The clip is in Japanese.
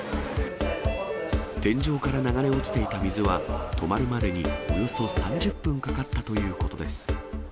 天井から流れ落ちていた水は、止まるまでにおよそ３０分かかったということです。